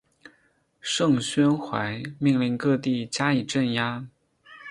盛宣怀命令各地加以镇压。